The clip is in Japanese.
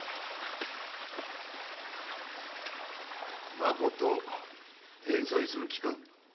まこと返済する気か？